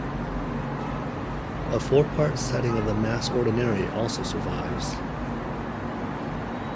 A four-part setting of the Mass Ordinary also survives.